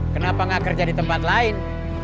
kenapa gak kerja di tempat lain